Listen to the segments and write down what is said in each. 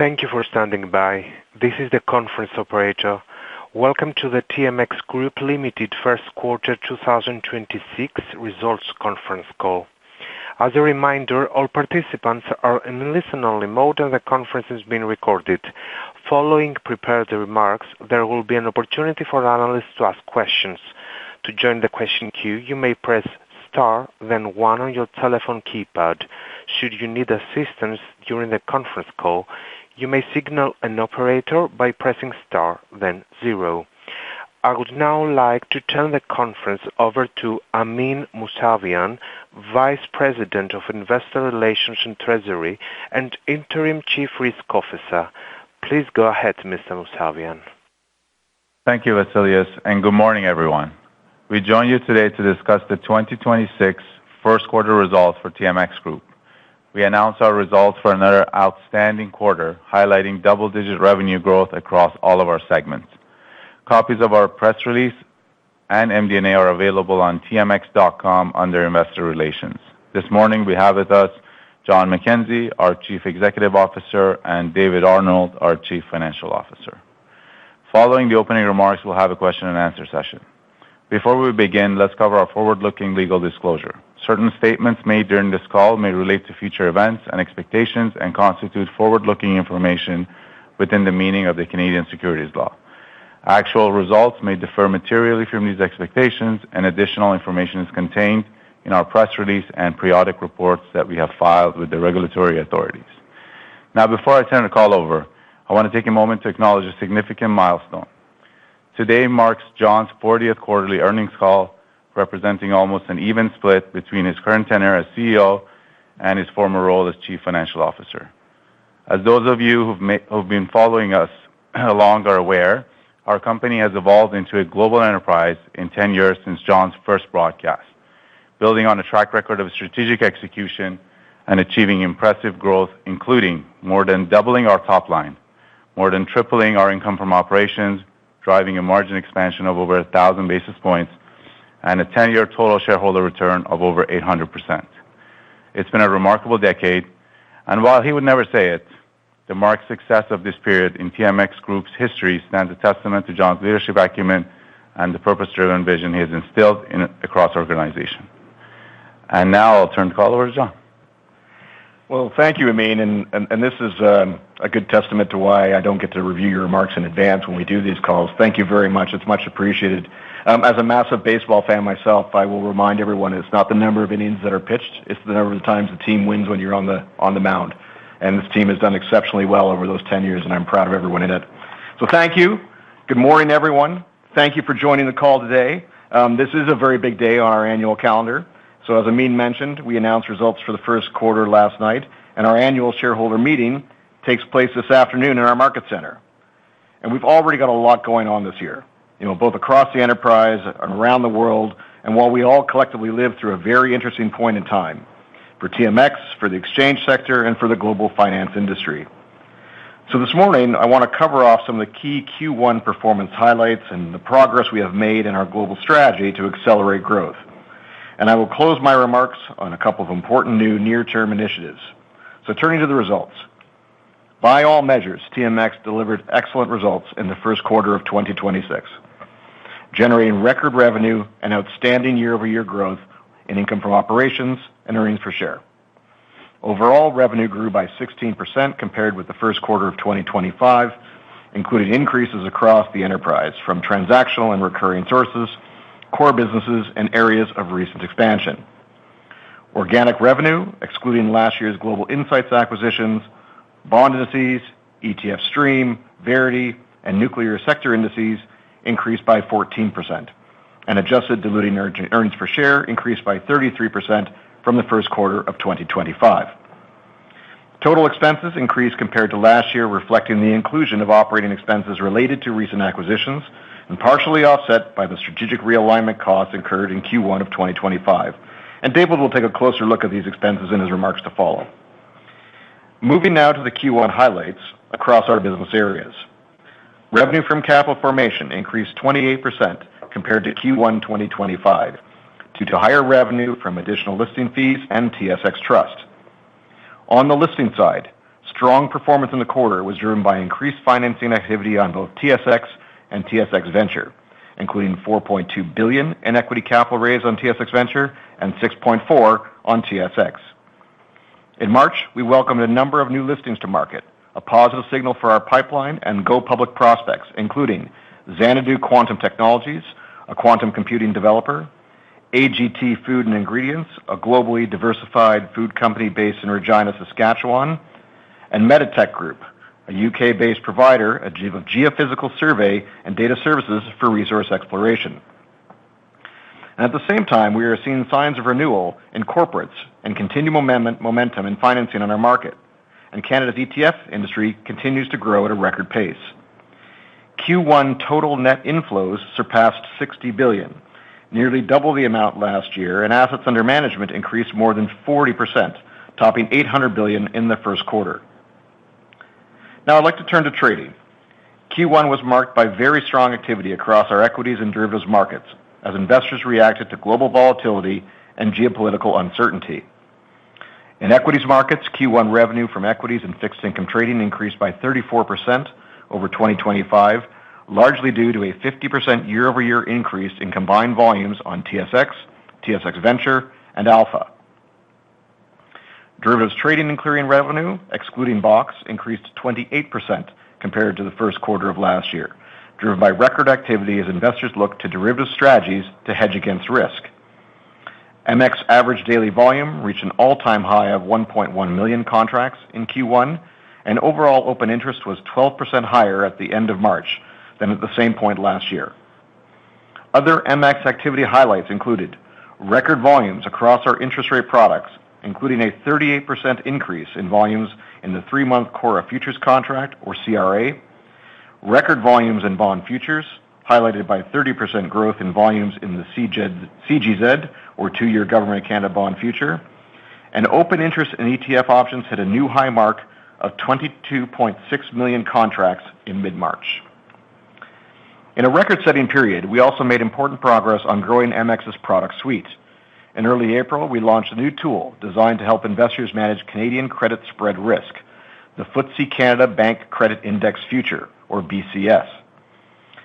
Thank you for standing by. This is the conference operator. Welcome to the TMX Group Limited first quarter 2026 results conference call. As a reminder, all participants are in listen only mode, and the conference is being recorded. Following prepared remarks, there will be an opportunity for analysts to ask questions. To join the question queue, you may press star, then one on your telephone keypad. Should you need assistance during the conference call, you may signal an operator by pressing star, then zero. I would now like to turn the conference over to Amin Mousavian, Vice President of Investor Relations and Treasury and Interim Chief Risk Officer. Please go ahead, Mr. Mousavian. Thank you, Vasilias, and good morning, everyone. We join you today to discuss the 2026 first quarter results for TMX Group. We announce our results for another outstanding quarter, highlighting double-digit revenue growth across all of our segments. Copies of our press release and MD&A are available on tmx.com under Investor Relations. This morning we have with us John McKenzie, our Chief Executive Officer, and David Arnold, our Chief Financial Officer. Following the opening remarks, we'll have a question-and-answer session. Before we begin, let's cover our forward-looking legal disclosure. Certain statements made during this call may relate to future events and expectations and constitute forward-looking information within the meaning of Canadian Securities law. Actual results may differ materially from these expectations, and additional information is contained in our press release and periodic reports that we have filed with the regulatory authorities. Before I turn the call over, I want to take a moment to acknowledge a significant milestone. Today marks John's 40th quarterly earnings call, representing almost an even split between his current tenure as CEO and his former role as Chief Financial Officer. As those of you who've been following us along are aware, our company has evolved into a global enterprise in 10 years since John's first broadcast. Building on a track record of strategic execution and achieving impressive growth, including more than doubling our top line, more than tripling our income from operations, driving a margin expansion of over 1,000 basis points, and a 10-year total shareholder return of over 800%. It's been a remarkable decade, and while he would never say it, the marked success of this period in TMX Group's history stands a testament to John's leadership acumen and the purpose-driven vision he has instilled across our organization. Now I'll turn the call over to John. Well, thank you, Amin. This is a good testament to why I don't get to review your remarks in advance when we do these calls. Thank you very much. It's much appreciated. As a massive baseball fan myself, I will remind everyone it's not the number of innings that are pitched, it's the number of times the team wins when you're on the mound. This team has done exceptionally well over those 10 years, and I'm proud of everyone in it. Thank you. Good morning, everyone. Thank you for joining the call today. This is a very big day on our annual calendar. As Amin mentioned, we announced results for the first quarter last night, and our annual shareholder meeting takes place this afternoon in our market center. We've already got a lot going on this year, you know, both across the enterprise and around the world, and while we all collectively live through a very interesting point in time for TMX, for the exchange sector, and for the global finance industry. This morning I wanna cover off some of the key Q1 performance highlights and the progress we have made in our global strategy to accelerate growth. I will close my remarks on a couple of important new near-term initiatives. Turning to the results. By all measures, TMX delivered excellent results in the first quarter of 2026, generating record revenue and outstanding year-over-year growth in income from operations and earnings per share. Overall, revenue grew by 16% compared with the first quarter of 2025, including increases across the enterprise from transactional and recurring sources, core businesses, and areas of recent expansion. Organic revenue, excluding last year's Global Insights acquisitions, Bond Indices, ETF Stream, Verity, and nuclear sector indices increased by 14%, and adjusted diluted earnings per share increased by 33% from the first quarter of 2025. Total expenses increased compared to last year, reflecting the inclusion of operating expenses related to recent acquisitions and partially offset by the strategic realignment costs incurred in Q1 of 2025. David will take a closer look at these expenses in his remarks to follow. Moving now to the Q1 highlights across our business areas. Revenue from capital formation increased 28% compared to Q1 2025 due to higher revenue from additional listing fees and TSX Trust. On the listing side, strong performance in the quarter was driven by increased financing activity on both TSX and TSX Venture, including 4.2 billion in equity capital raised on TSX Venture and 6.4 billion on TSX. In March, we welcomed a number of new listings to market, a positive signal for our pipeline and go public prospects, including Xanadu Quantum Technologies, a quantum computing developer, AGT Food and Ingredients, a globally diversified food company based in Regina, Saskatchewan, and Metatek Group, a U.K.-based provider of geophysical survey and data services for resource exploration. At the same time, we are seeing signs of renewal in corporates and continued momentum in financing in our market. Canada's ETF industry continues to grow at a record pace. Q1 total net inflows surpassed 60 billion, nearly double the amount last year, and assets under management increased more than 40%, topping 800 billion in the first quarter. Now I'd like to turn to trading. Q1 was marked by very strong activity across our equities and derivatives markets as investors reacted to global volatility and geopolitical uncertainty. In equities markets, Q1 revenue from equities and fixed income trading increased by 34% over 2025, largely due to a 50% year-over-year increase in combined volumes on TSX, TSX Venture, and Alpha. Derivatives trading and clearing revenue, excluding BOX, increased 28% compared to the first quarter of last year, driven by record activity as investors look to derivatives strategies to hedge against risk. MX average daily volume reached an all-time high of 1.1 million contracts in Q1. Overall open interest was 12% higher at the end of March than at the same point last year. Other MX activity highlights included record volumes across our interest rate products, including a 38% increase in volumes in the three-month CORRA futures contract, or CRA. Record volumes in bond futures, highlighted by 30% growth in volumes in the CGZ, or two-year Government of Canada bond future. Open interest in ETF options hit a new high mark of 22.6 million contracts in mid-March. In a record-setting period, we also made important progress on growing MX's product suite. In early April, we launched a new tool designed to help investors manage Canadian credit spread risk, the FTSE Canada Bank Credit Index Future, or BCS.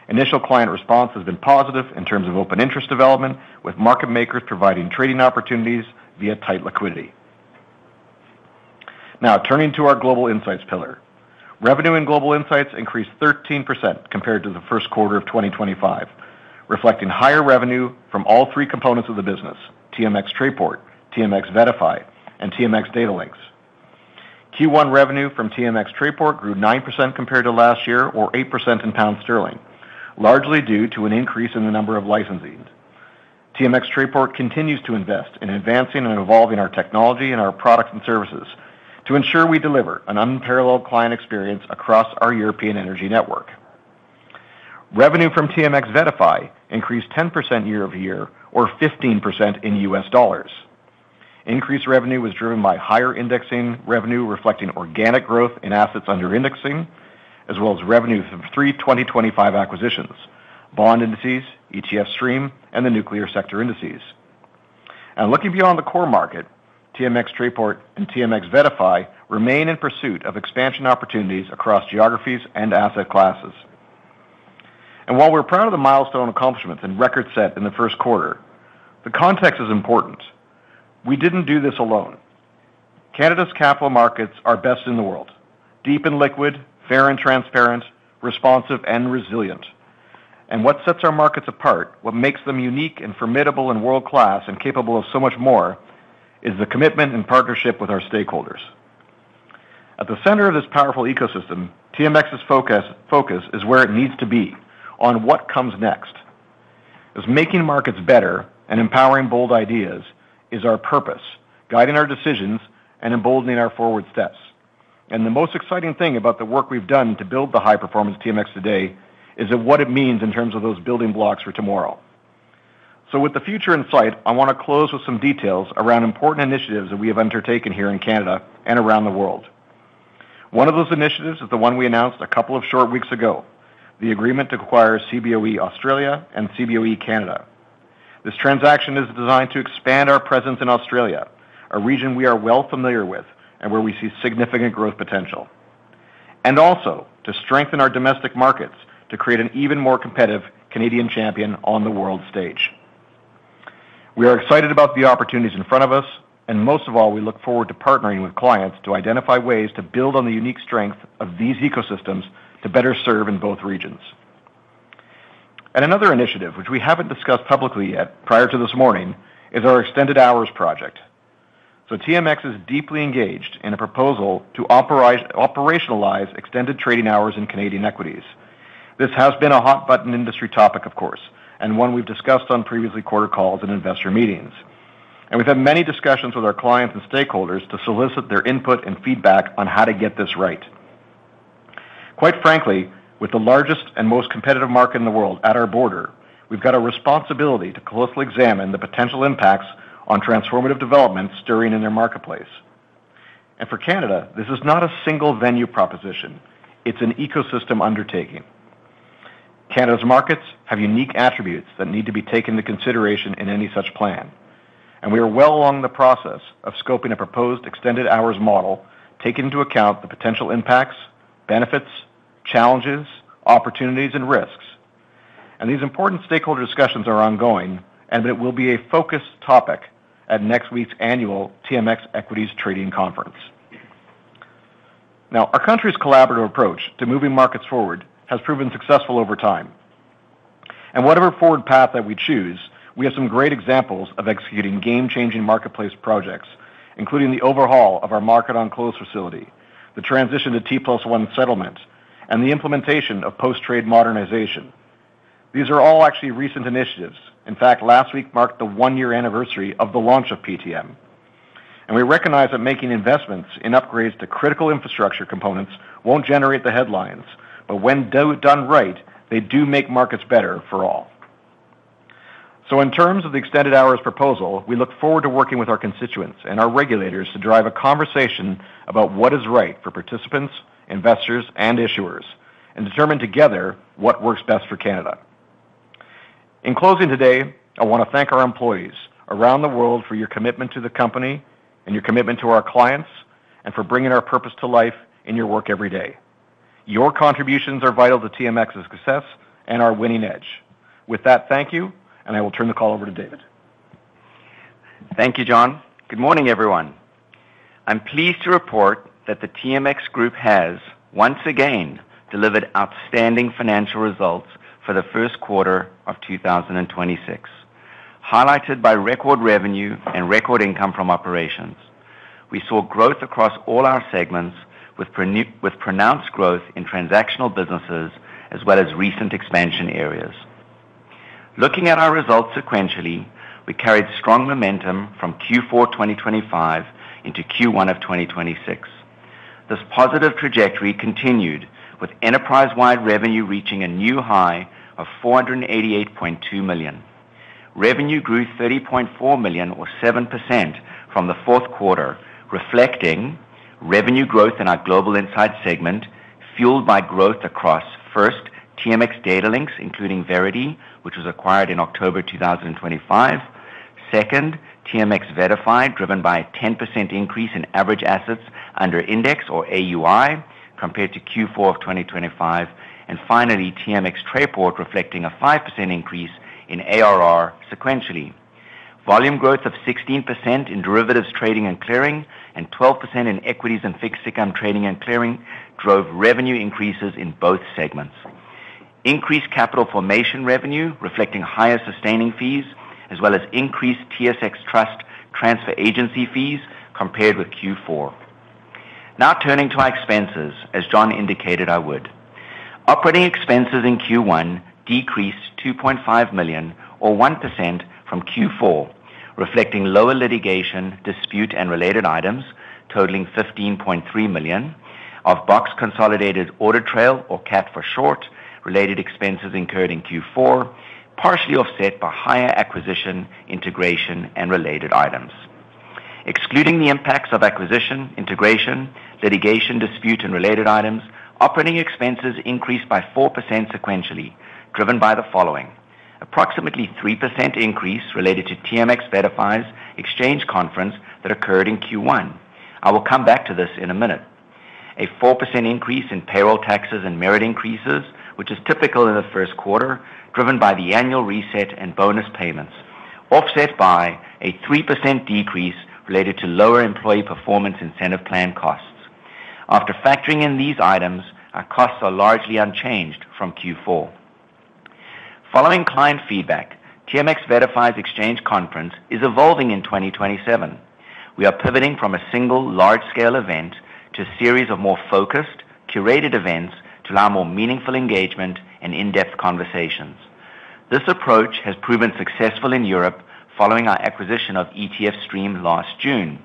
Initial client response has been positive in terms of open interest development, with market makers providing trading opportunities via tight liquidity. Now turning to our Global Insights pillar. Revenue in Global Insights increased 13% compared to the first quarter of 2025, reflecting higher revenue from all three components of the business, TMX Trayport, TMX VettaFi, and TMX Datalinx. Q1 revenue from TMX Trayport grew 9% compared to last year or 8% in GBP, largely due to an increase in the number of licensees. TMX Trayport continues to invest in advancing and evolving our technology and our products and services to ensure we deliver an unparalleled client experience across our European energy network. Revenue from TMX VettaFi increased 10% year-over-year or 15% in USD. Increased revenue was driven by higher indexing revenue reflecting organic growth in assets under indexing, as well as revenue from three 2025 acquisitions, Bond Indices, ETF Stream, and the nuclear sector indices. Looking beyond the core market, TMX Trayport and TMX VettaFi remain in pursuit of expansion opportunities across geographies and asset classes. While we're proud of the milestone accomplishments and records set in the first quarter, the context is important. We didn't do this alone. Canada's capital markets are best in the world, deep and liquid, fair and transparent, responsive and resilient. What sets our markets apart, what makes them unique and formidable and world-class and capable of so much more, is the commitment and partnership with our stakeholders. At the center of this powerful ecosystem, TMX's focus is where it needs to be, on what comes next. Making markets better and empowering bold ideas is our purpose, guiding our decisions and emboldening our forward steps. The most exciting thing about the work we've done to build the high-performance TMX today is that what it means in terms of those building blocks for tomorrow. With the future in sight, I want to close with some details around important initiatives that we have undertaken here in Canada and around the world. One of those initiatives is the one we announced a couple of short weeks ago, the agreement to acquire Cboe Australia and Cboe Canada. This transaction is designed to expand our presence in Australia, a region we are well familiar with and where we see significant growth potential, and also to strengthen our domestic markets to create an even more competitive Canadian champion on the world stage. We are excited about the opportunities in front of us, and most of all, we look forward to partnering with clients to identify ways to build on the unique strength of these ecosystems to better serve in both regions. Another initiative, which we haven't discussed publicly yet prior to this morning, is our Extended Hours Project. TMX is deeply engaged in a proposal to operationalize extended trading hours in Canadian equities. This has been a hot button industry topic, of course, and one we've discussed on previously quarter calls and investor meetings. We've had many discussions with our clients and stakeholders to solicit their input and feedback on how to get this right. Quite frankly, with the largest and most competitive market in the world at our border, we've got a responsibility to closely examine the potential impacts on transformative developments stirring in their marketplace. For Canada, this is not a single venue proposition. It's an ecosystem undertaking. Canada's markets have unique attributes that need to be taken into consideration in any such plan. We are well along the process of scoping a proposed extended hours model, taking into account the potential impacts, benefits, challenges, opportunities, and risks. These important stakeholder discussions are ongoing, and it will be a focused topic at next week's annual TMX Equities Trading Conference. Now, our country's collaborative approach to moving markets forward has proven successful over time. Whatever forward path that we choose, we have some great examples of executing game-changing marketplace projects, including the overhaul of our Market on Close facility, the transition to T+1 settlement, and the implementation of Post-Trade Modernization. These are all actually recent initiatives. In fact, last week marked the one-year anniversary of the launch of PTM. We recognize that making investments in upgrades to critical infrastructure components won't generate the headlines, but when done right, they do make markets better for all. In terms of the extended hours proposal, we look forward to working with our constituents and our regulators to drive a conversation about what is right for participants, investors, and issuers, and determine together what works best for Canada. In closing today, I want to thank our employees around the world for your commitment to the company and your commitment to our clients, and for bringing our purpose to life in your work every day. Your contributions are vital to TMX's success and our winning edge. With that, thank you, and I will turn the call over to David. Thank you, John. Good morning, everyone. I'm pleased to report that TMX Group has once again delivered outstanding financial results for the first quarter of 2026, highlighted by record revenue and record income from operations. We saw growth across all our segments with pronounced growth in transactional businesses as well as recent expansion areas. Looking at our results sequentially, we carried strong momentum from Q4 2025 into Q1 of 2026. This positive trajectory continued with enterprise-wide revenue reaching a new high of 488.2 million. Revenue grew 30.4 million or 7% from the fourth quarter, reflecting revenue growth in our Global Insights segment, fueled by growth across first, TMX Datalinx, including Verity, which was acquired in October 2025. Second, TMX VettaFi, driven by a 10% increase in average assets under index or AUI compared to Q4 of 2025. Finally, TMX Trayport reflecting a 5% increase in ARR sequentially. Volume growth of 16% in derivatives trading and clearing and 12% in equities and fixed income trading and clearing drove revenue increases in both segments. Increased capital formation revenue reflecting higher sustaining fees as well as increased TSX Trust transfer agency fees compared with Q4. Now turning to our expenses, as John indicated I would. Operating expenses in Q1 decreased 2.5 million or 1% from Q4, reflecting lower litigation, dispute and related items totaling 15.3 million of BOX Consolidated Audit Trail or CAT for short, related expenses incurred in Q4, partially offset by higher acquisition, integration and related items. Excluding the impacts of acquisition, integration, litigation, dispute and related items, operating expenses increased by 4% sequentially, driven by the following. Approximately 3% increase related to TMX VettaFi's Exchange Conference that occurred in Q1. I will come back to this in a minute. A 4% increase in payroll taxes and merit increases, which is typical in the first quarter, driven by the annual reset and bonus payments, offset by a 3% decrease related to lower employee performance incentive plan costs. After factoring in these items, our costs are largely unchanged from Q4. Following client feedback, TMX VettaFi's Exchange Conference is evolving in 2027. We are pivoting from a single large-scale event to a series of more focused, curated events to allow more meaningful engagement and in-depth conversations. This approach has proven successful in Europe following our acquisition of ETF Stream last June.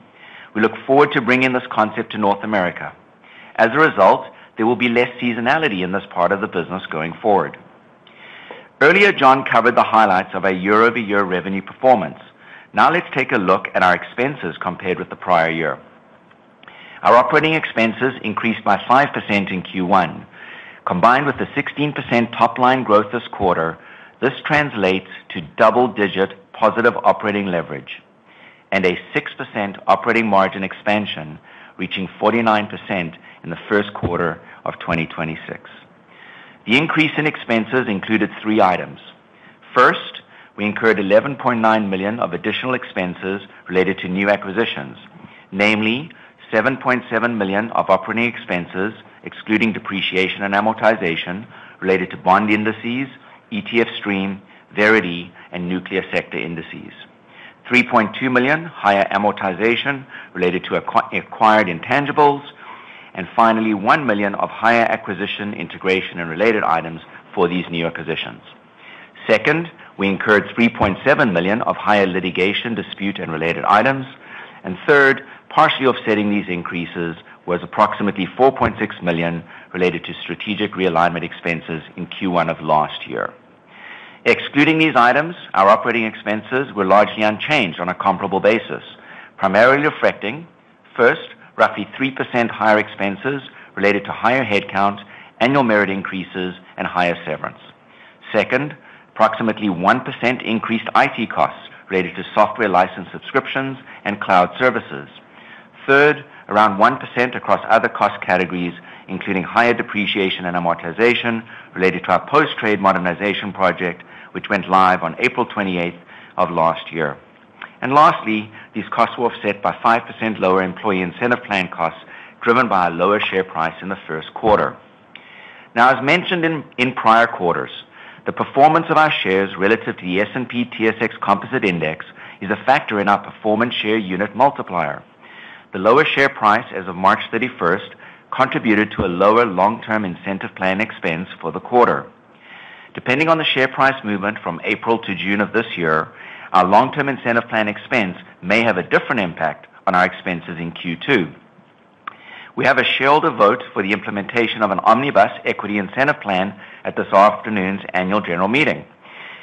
We look forward to bringing this concept to North America. As a result, there will be less seasonality in this part of the business going forward. Earlier, John covered the highlights of our year-over-year revenue performance. Now let's take a look at our expenses compared with the prior year. Our operating expenses increased by 5% in Q1. Combined with the 16% top-line growth this quarter, this translates to double-digit positive operating leverage and a 6% operating margin expansion, reaching 49% in the first quarter of 2026. The increase in expenses included three items. First, we incurred 11.9 million of additional expenses related to new acquisitions, namely 7.7 million of operating expenses, excluding depreciation and amortization related to Bond Indices, ETF Stream, Verity, and nuclear sector indices. 3.2 million higher amortization related to acquired intangibles, and finally, 1 million of higher acquisition integration and related items for these new acquisitions. Second, we incurred 3.7 million of higher litigation dispute and related items. And third, partially offsetting these increases was approximately 4.6 million related to strategic realignment expenses in Q1 of last year. Excluding these items, our operating expenses were largely unchanged on a comparable basis, primarily affecting, first, roughly 3% higher expenses related to higher headcount, annual merit increases, and higher severance. Second, approximately 1% increased IT costs related to software license subscriptions and cloud services. Third, around 1% across other cost categories, including higher depreciation and amortization related to our Post-Trade Modernization project, which went live on April 28th of last year. And lastly, these costs were offset by 5% lower employee incentive plan costs, driven by a lower share price in the first quarter. As mentioned in prior quarters, the performance of our shares relative to the S&P/TSX Composite Index is a factor in our performance share unit multiplier. The lower share price as of March 31st contributed to a lower long-term incentive plan expense for the quarter. Depending on the share price movement from April to June of this year, our long-term incentive plan expense may have a different impact on our expenses in Q2. We have a shareholder vote for the implementation of an omnibus equity incentive plan at this afternoon's Annual General Meeting.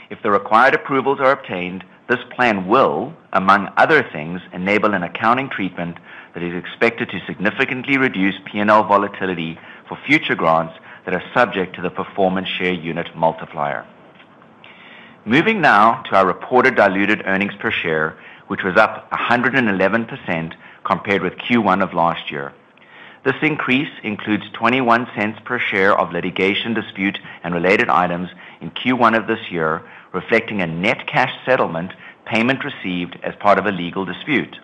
If the required approvals are obtained, this plan will, among other things, enable an accounting treatment that is expected to significantly reduce P&L volatility for future grants that are subject to the performance share unit multiplier. Moving now to our reported diluted earnings per share, which was up 111% compared with Q1 of last year. This increase includes 0.21 per share of litigation dispute and related items in Q1 of this year, reflecting a net cash settlement payment received as part of a legal dispute.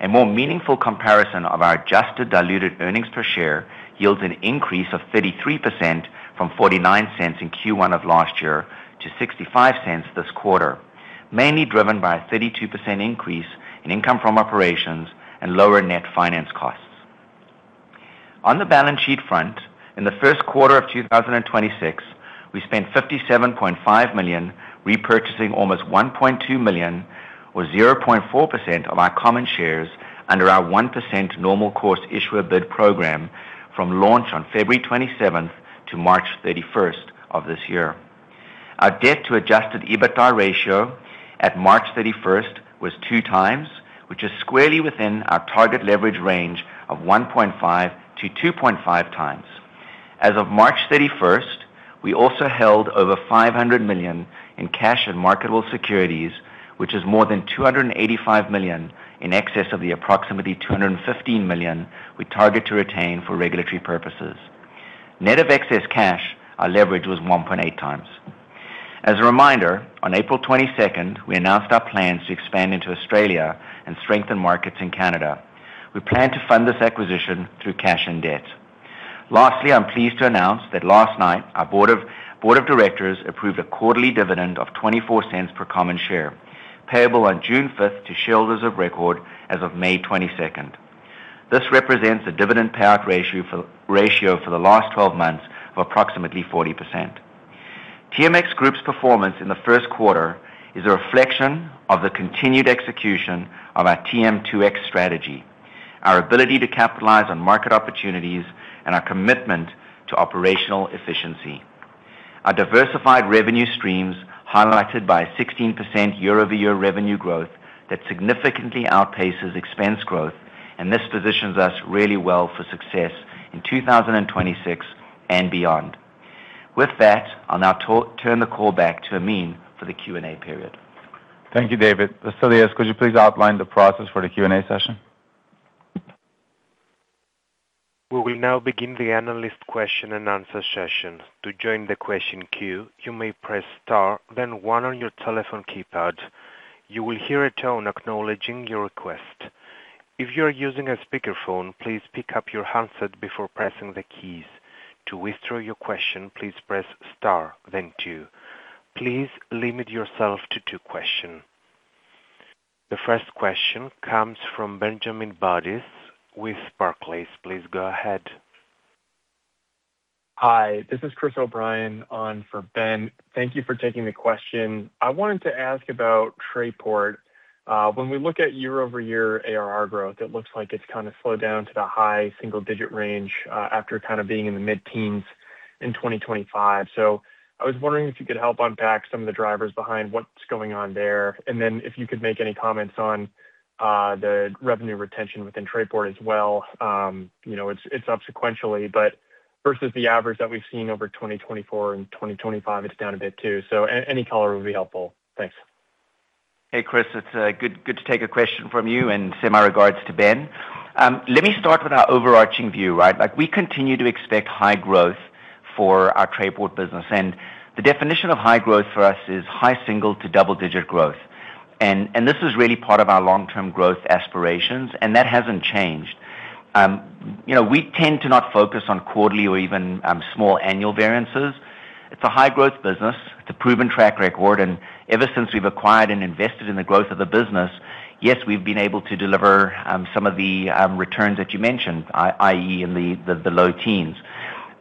A more meaningful comparison of our adjusted diluted earnings per share yields an increase of 33% from 0.49 in Q1 of last year to 0.65 this quarter, mainly driven by a 32% increase in income from operations and lower net finance costs. On the balance sheet front, in the first quarter of 2026, we spent 57.5 million repurchasing almost 1.2 million, or 0.4% of our common shares under our 1% Normal Course Issuer Bid program from launch on February 27th to March 31st of this year. Our debt to adjusted EBITDA ratio at March 31st was 2x, which is squarely within our target leverage range of 1.5x-2.5x. As of March 31st, we also held over 500 million in cash and marketable securities, which is more than 285 million in excess of the approximately 215 million we target to retain for regulatory purposes. Net of excess cash, our leverage was 1.8x. As a reminder, on April 22nd, we announced our plans to expand into Australia and strengthen markets in Canada. We plan to fund this acquisition through cash and debt. Lastly, I'm pleased to announce that last night our board of directors approved a quarterly dividend of 0.24 per common share, payable on June 5th to shareholders of record as of May 22nd. This represents a dividend payout ratio for the last 12 months of approximately 40%. TMX Group's performance in the first quarter is a reflection of the continued execution of our TM2X strategy, our ability to capitalize on market opportunities, and our commitment to operational efficiency. Our diversified revenue streams highlighted by a 16% year-over-year revenue growth that significantly outpaces expense growth, and this positions us really well for success in 2026 and beyond. With that, I'll now turn the call back to Amin for the Q&A period. Thank you, David. Vasilias, could you please outline the process for the Q&A session? We will now begin the analyst question-and-answer session. To join the question queue, you may press star, then one on your telephone keypad. You will hear a tone acknowledging your request. If you're using a speakerphone, please pick up your handset before pressing the keys. To withdraw your question, please press star, then two. Please limit yourself to two question. The first question comes from Benjamin Budish with Barclays. Please go ahead. Hi, this is Chris O'Brien on for Ben. Thank you for taking the question. I wanted to ask about Trayport. When we look at year-over-year ARR growth, it looks like it's kind of slowed down to the high single-digit range, after kind of being in the mid-teens in 2025. I was wondering if you could help unpack some of the drivers behind what's going on there. Then if you could make any comments on, the revenue retention within Trayport as well? You know, it's up sequentially, but versus the average that we've seen over 2024 and 2025, it's down a bit too. Any color would be helpful. Thanks. Hey, Chris, it's good to take a question from you and send my regards to Ben. Let me start with our overarching view, right? Like, we continue to expect high growth for our Trayport business, the definition of high growth for us is high single- to double-digit growth. This is really part of our long-term growth aspirations, and that hasn't changed. You know, we tend to not focus on quarterly or even small annual variances. It's a high-growth business. It's a proven track record. Ever since we've acquired and invested in the growth of the business, yes, we've been able to deliver some of the returns that you mentioned, i.e., in the low teens.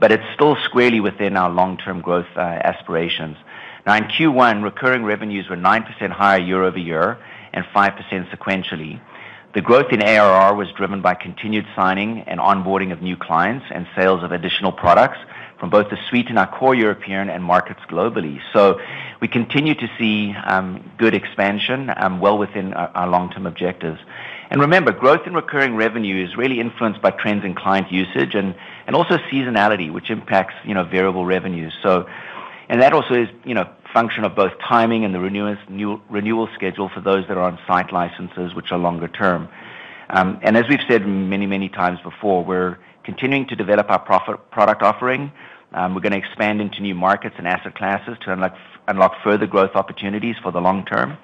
It's still squarely within our long-term growth aspirations. In Q1, recurring revenues were 9% higher year-over-year and 5% sequentially. The growth in ARR was driven by continued signing and onboarding of new clients and sales of additional products from both the suite in our core European and markets globally. We continue to see good expansion well within our long-term objectives. Remember, growth in recurring revenue is really influenced by trends in client usage and also seasonality, which impacts, you know, variable revenues. That also is, you know, function of both timing and the renewal schedule for those that are on site licenses, which are longer term. As we've said many times before, we're continuing to develop our product offering. We're going to expand into new markets and asset classes to unlock further growth opportunities for the long term.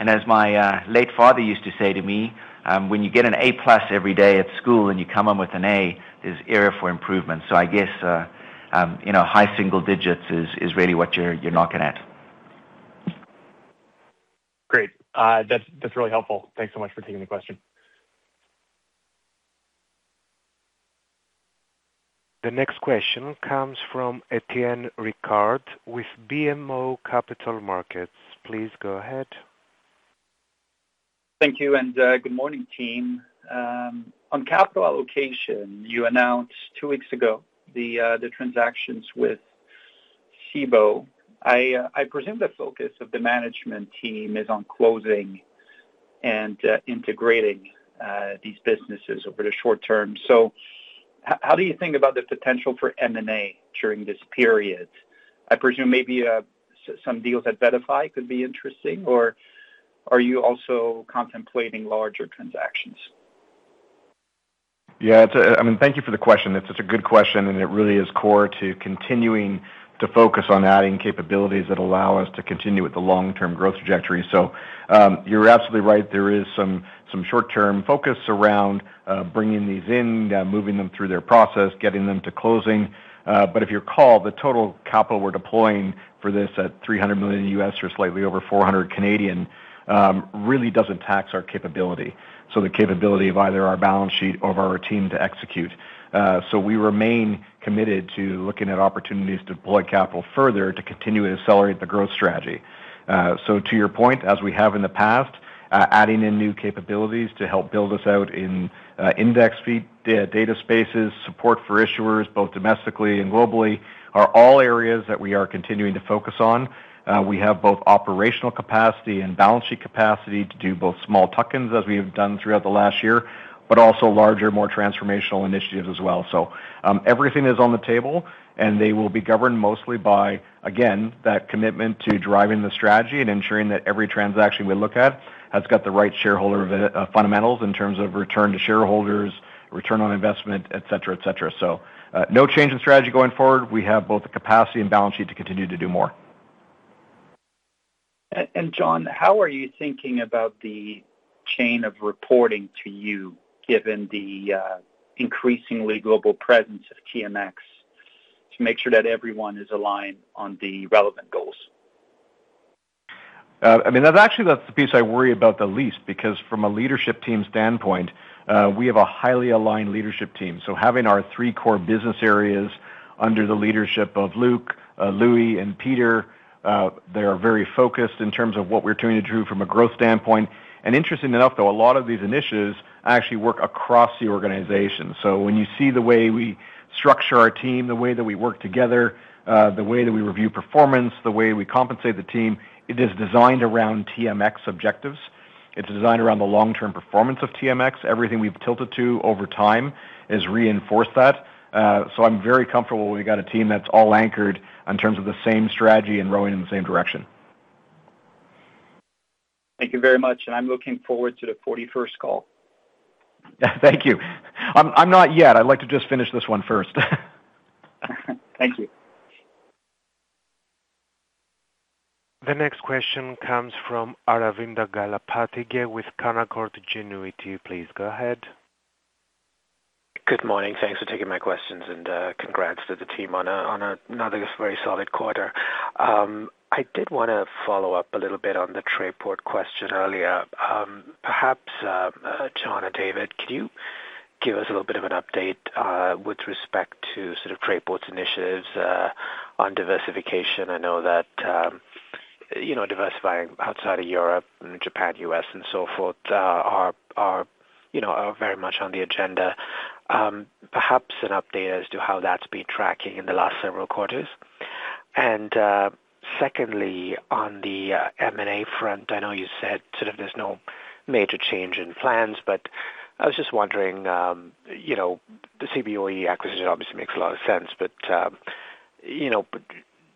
As my late father used to say to me, "When you get an A+ every day at school and you come home with an A, there's area for improvement." I guess, you know, high single digits is really what you're knocking at. Great. That's really helpful. Thanks so much for taking the question. The next question comes from Étienne Ricard with BMO Capital Markets. Please go ahead. Thank you, and good morning, team. On capital allocation, you announced two weeks ago the transactions with Cboe. I presume the focus of the management team is on closing and integrating these businesses over the short term. How do you think about the potential for M&A during this period? I presume maybe some deals at TMX VettaFi could be interesting, or are you also contemplating larger transactions? Yeah, it's, I mean, thank you for the question. It's such a good question. It really is core to continuing to focus on adding capabilities that allow us to continue with the long-term growth trajectory. You're absolutely right. There is some short-term focus around bringing these in, moving them through their process, getting them to closing. If you recall, the total capital we're deploying for this at $300 million U.S. or slightly over 400 Canadian really doesn't tax our capability, so the capability of either our balance sheet or of our team to execute. We remain committed to looking at opportunities to deploy capital further to continue to accelerate the growth strategy. So, to your point, as we have in the past, adding in new capabilities to help build us out in index fee data spaces, support for issuers, both domestically and globally, are all areas that we are continuing to focus on. We have both operational capacity and balance sheet capacity to do both small tuck-ins, as we have done throughout the last year, but also larger, more transformational initiatives as well. Everything is on the table, and they will be governed mostly by, again, that commitment to driving the strategy and ensuring that every transaction we look at has got the right shareholder fundamentals in terms of return to shareholders, return on investment, et cetera, et cetera. No change in strategy going forward. We have both the capacity and balance sheet to continue to do more. John, how are you thinking about the chain of reporting to you, given the increasingly global presence of TMX to make sure that everyone is aligned on the relevant goals? I mean, that's actually that's the piece I worry about the least because from a leadership team standpoint, we have a highly aligned leadership team. Having our three core business areas under the leadership of Luc, Loui, and Peter, they are very focused in terms of what we're trying to do from a growth standpoint. Interesting enough, though, a lot of these initiatives actually work across the organization. When you see the way we structure our team, the way that we work together, the way that we review performance, the way we compensate the team, it is designed around TMX objectives. It's designed around the long-term performance of TMX. Everything we've tilted to over time has reinforced that. I'm very comfortable we've got a team that's all anchored in terms of the same strategy and rowing in the same direction. Thank you very much, and I'm looking forward to the 41st call. Thank you. I'm not yet. I'd like to just finish this one first. Thank you. The next question comes from Aravinda Galappatthige with Canaccord Genuity. Please go ahead. Good morning. Thanks for taking my questions, and congrats to the team on another very solid quarter. I did wanna follow up a little bit on the Trayport question earlier. Perhaps John or David, can you give us a little bit of an update with respect to sort of Trayport's initiatives on diversification? I know that, you know, diversifying outside of Europe and Japan, U.S., and so forth, are very much on the agenda. Perhaps an update as to how that's been tracking in the last several quarters. Secondly, on the M&A front, I know you said sort of there's no major change in plans, but I was just wondering, you know, the Cboe acquisition obviously makes a lot of sense. You know,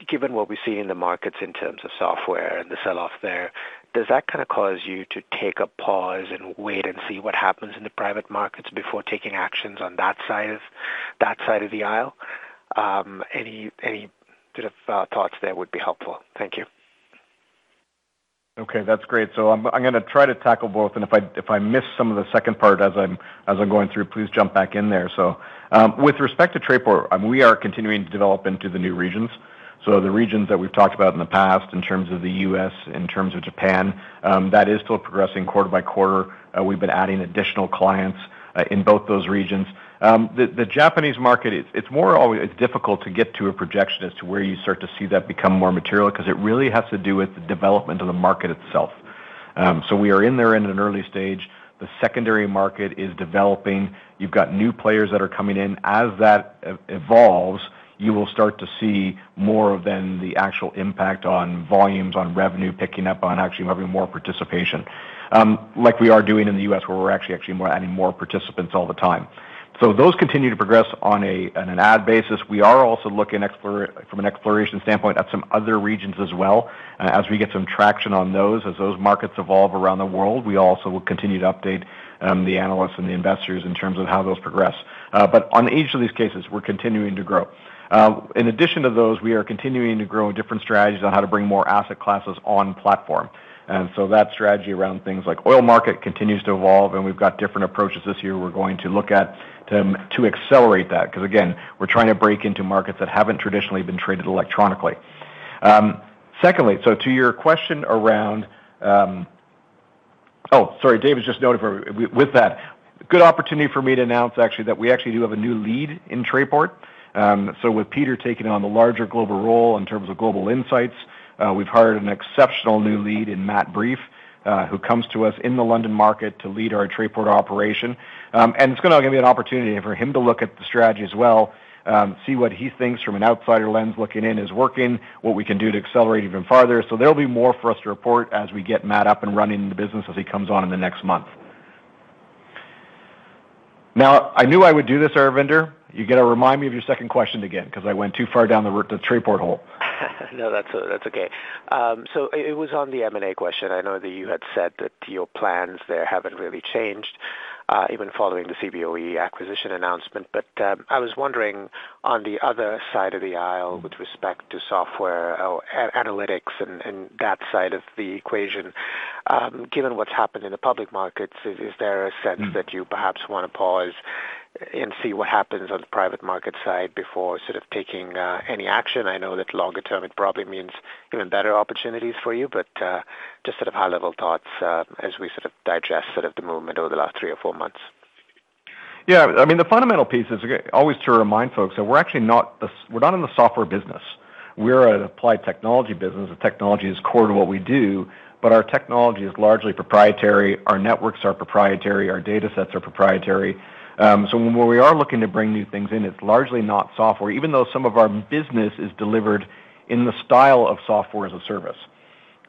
given what we see in the markets in terms of software and the sell-off there, does that kind of cause you to take a pause and wait and see what happens in the private markets before taking actions on that side of the aisle? Any sort of thoughts there would be helpful. Thank you. That's great. I'm gonna try to tackle both, and if I miss some of the second part as I'm going through, please jump back in there. With respect to Trayport, we are continuing to develop into the new regions. The regions that we've talked about in the past in terms of the U.S., in terms of Japan, that is still progressing quarter by quarter. We've been adding additional clients in both those regions. The Japanese market, it's difficult to get to a projection as to where you start to see that become more material 'cause it really has to do with the development of the market itself. We are in there in an early stage. The secondary market is developing. You've got new players that are coming in. As that evolves, you will start to see more of the actual impact on volumes, on revenue picking up, on actually having more participation, like we are doing in the U.S. where we're actually adding more participants all the time. Those continue to progress on an ad basis. We are also looking from an exploration standpoint at some other regions as well. As we get some traction on those, as those markets evolve around the world, we also will continue to update the analysts and the investors in terms of how those progress. On each of these cases, we're continuing to grow. In addition to those, we are continuing to grow different strategies on how to bring more asset classes on platform. That strategy around things like oil market continues to evolve, and we've got different approaches this year we're going to look at to accelerate that. 'Cause again, we're trying to break into markets that haven't traditionally been traded electronically. Secondly, to your question around. Oh, sorry, David's just noted for, with that. Good opportunity for me to announce actually that we actually do have a new lead in Trayport. With Peter taking on the larger global role in terms of Global Insights, we've hired an exceptional new lead in Matt Brief, who comes to us in the London market to lead our Trayport operation. It's gonna give me an opportunity for him to look at the strategy as well, see what he thinks from an outsider lens looking in is working, what we can do to accelerate even farther. There'll be more for us to report as we get Matt up and running the business as he comes on in the next month. I knew I would do this, Aravinda. You got to remind me of your second question again 'cause I went too far down the Trayport hole. No, that's okay. It was on the M&A question. I know that you had said that your plans there haven't really changed even following the Cboe acquisition announcement. I was wondering on the other side of the aisle with respect to software or analytics and that side of the equation, given what's happened in the public markets, is there a sense that you perhaps wanna pause and see what happens on the private market side before sort of taking any action? I know that longer term it probably means even better opportunities for you, just sort of high-level thoughts as we sort of digest sort of the movement over the last three or four months. Yeah. I mean, the fundamental piece is always to remind folks that we're actually not in the software business. We're an applied technology business. The technology is core to what we do, but our technology is largely proprietary. Our networks are proprietary. Our datasets are proprietary. When we are looking to bring new things in, it's largely not software, even though some of our business is delivered in the style of software as a service.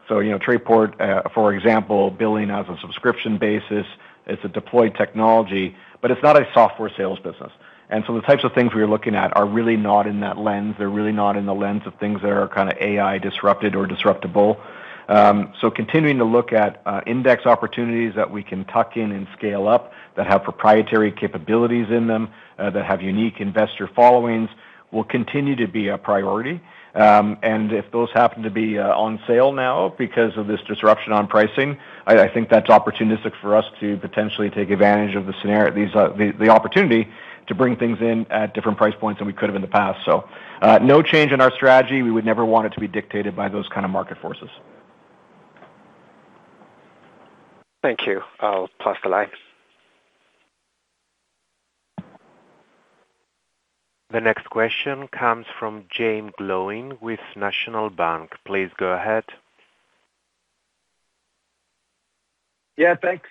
You know, Trayport, for example, billing as a subscription basis, it's a deployed technology, but it's not a software sales business. The types of things we are looking at are really not in that lens. They're really not in the lens of things that are kind of AI disrupted or disruptable. Continuing to look at index opportunities that we can tuck in and scale up that have proprietary capabilities in them that have unique investor followings will continue to be a priority. If those happen to be on sale now because of this disruption on pricing, I think that's opportunistic for us to potentially take advantage of these, the opportunity to bring things in at different price points than we could have in the past. No change in our strategy. We would never want it to be dictated by those kind of market forces. Thank you. I'll pass the line. The next question comes from Jaeme Gloyn with National Bank. Please go ahead. Yeah, thanks.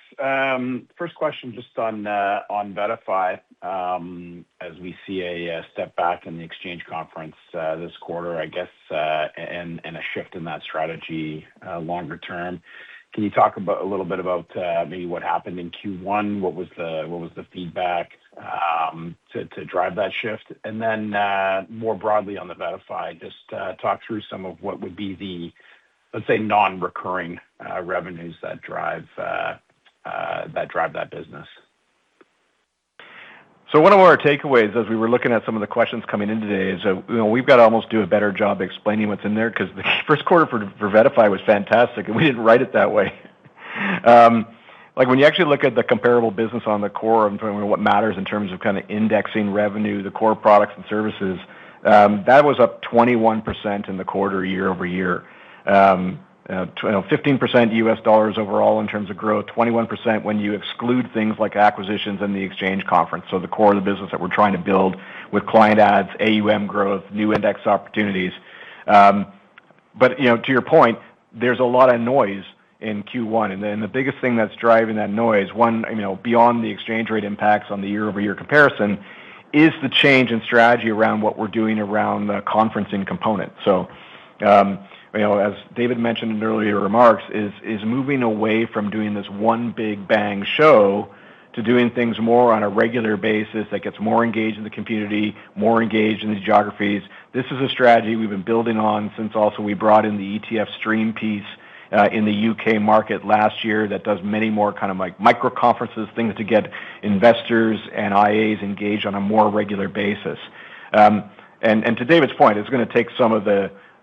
first question just on VettaFi, as we see a step back in the Exchange Conference this quarter, I guess, and a shift in that strategy longer term. Can you talk a little bit about maybe what happened in Q1? What was the feedback to drive that shift? Then more broadly on VettaFi, just talk through some of what would be the, let's say, non-recurring revenues that drive that business. One of our takeaways as we were looking at some of the questions coming in today is that, you know, we've got to almost do a better job explaining what's in there cause the first quarter for VettaFi was fantastic, and we didn't write it that way. Like, when you actually look at the comparable business on the core of, you know, what matters in terms of kinda indexing revenue, the core products and services, that was up 21% in the quarter year-over-year. 15% USD overall in terms of growth, 21% when you exclude things like acquisitions in the Exchange Conference. So, the core of the business that we're trying to build with client ads, AUM growth, new index opportunities. You know, to your point, there's a lot of noise in Q1. The biggest thing that's driving that noise, one, you know, beyond the exchange rate impacts on the year-over-year comparison, is the change in strategy around what we're doing around the conferencing component. You know, as David mentioned in earlier remarks, is moving away from doing this one big bang show to doing things more on a regular basis that gets more engaged in the community, more engaged in the geographies. This is a strategy we've been building on since also we brought in the ETF Stream piece in the U.K. market last year that does many more kind of, like, micro conferences, things to get investors and IAs engaged on a more regular basis. To David's point, it's gonna take some of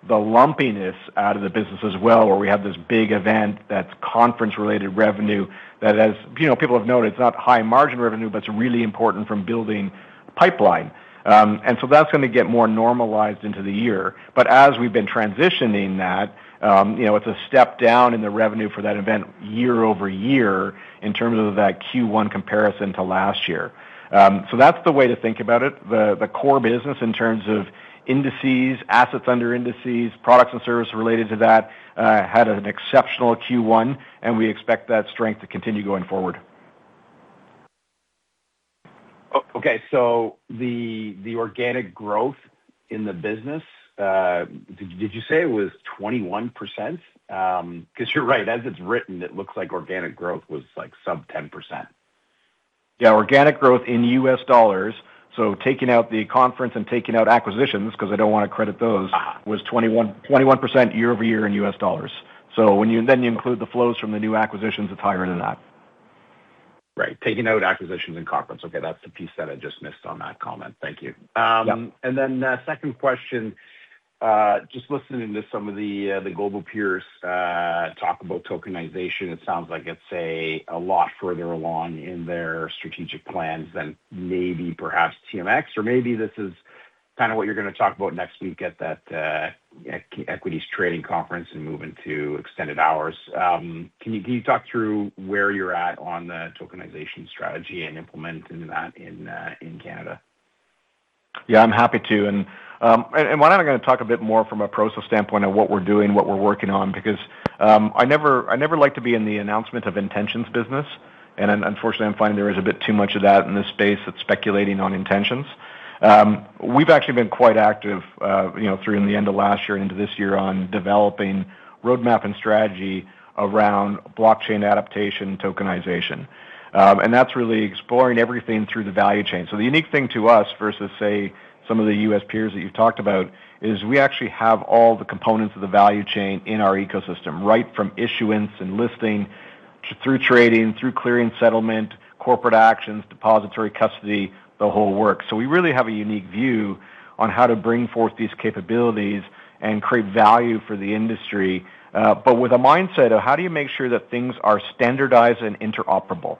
the lumpiness out of the business as well, where we have this big event that's conference-related revenue that as you know, people have noted it's not high-margin revenue, but it's really important from building pipeline. That's gonna get more normalized into the year. As we've been transitioning that, you know, it's a step down in the revenue for that event year-over-year in terms of that Q1 comparison to last year. That's the way to think about it. The core business in terms of indices, assets under indices, products and service related to that, had an exceptional Q1, and we expect that strength to continue going forward. Okay. The organic growth in the business, did you say it was 21%? 'Cause you're right, as it's written, it looks like organic growth was, like, sub 10%. Yeah. Organic growth in US dollars, taking out the conference and taking out acquisitions, 'cause I don't wanna credit those was 21% year-over-year in U.S. dollars. Then you include the flows from the new acquisitions, it's higher than that. Right. Taking out acquisitions and conference. Okay, that's the piece that I just missed on that comment. Thank you. Then, second question. Just listening to some of the global peers talk about tokenization, it sounds like it's, say, a lot further along in their strategic plans than maybe perhaps TMX. Maybe this is kind of what you're going to talk about next week at that Equities Trading Conference and moving to extended hours. Can you talk through where you're at on the tokenization strategy and implementing that in Canada? I'm happy to. Why don't I gonna talk a bit more from a process standpoint of what we're doing, what we're working on, because I never like to be in the announcement of intentions business. Unfortunately, I'm finding there is a bit too much of that in this space that's speculating on intentions. We've actually been quite active, you know, through in the end of last year into this year on developing roadmap and strategy around blockchain adaptation, tokenization. That's really exploring everything through the value chain. The unique thing to us versus, say, some of the U.S. peers that you've talked about is we actually have all the components of the value chain in our ecosystem, right from issuance and listing through trading, through clearing settlement, corporate actions, depository custody, the whole works. So, we really have a unique view on how to bring forth these capabilities and create value for the industry, but with a mindset of how do you make sure that things are standardized and interoperable?